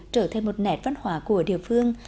trở thêm một nẹt văn hóa của địa phương